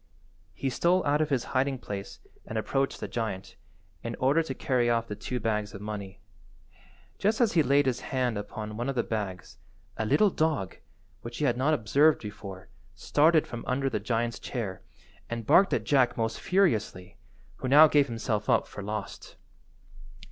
He stole out of his hiding–place and approached the giant, in order to carry off the two bags of money. Just as he laid his hand upon one of the bags a little dog, which he had not observed before, started from under the giant's chair and barked at Jack most furiously, who now gave himself up for lost.